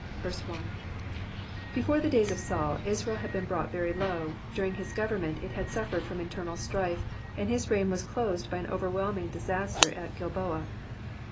1. Before the days of Saul, Israel had been brought very low ; during his government it had suffered from internal strife, and his reign was closed by an overwhelming disaster at Qilboa.